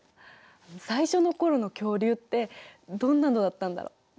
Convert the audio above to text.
最初の頃の恐竜ってどんなのだったんだろ。